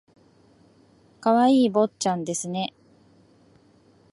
可愛い坊ちゃんですね